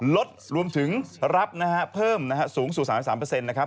รถรวมถึงรับเพิ่มสูงสูง๓๓นะครับ